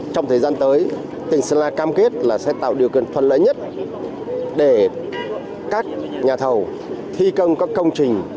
trong thời gian tới tỉnh sơn la cam kết là sẽ tạo điều kiện thuận lợi nhất để các nhà thầu thi công các công trình